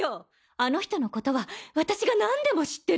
あの人のことは私が何でも知ってる！